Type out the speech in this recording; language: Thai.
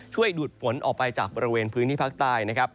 ช่วยดูดฝนออกไปจากบริเวณพื้นที่ภาคใต้